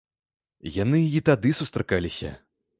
Яны і тады сустракаліся.